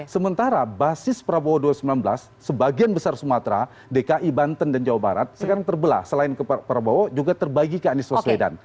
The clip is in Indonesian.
sementara basis prabowo dua ribu sembilan belas sebagian besar sumatera dki banten dan jawa barat sekarang terbelah selain ke prabowo juga terbagi ke anies waswedan